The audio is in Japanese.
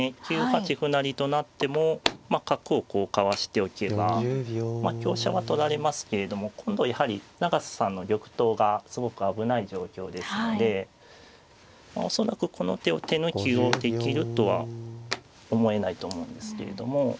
９八歩成と成っても角をこうかわしておけば香車は取られますけども今度はやはり永瀬さんの玉頭がすごく危ない状況ですので恐らくこの手を手抜きをできるとは思えないと思うんですけれども。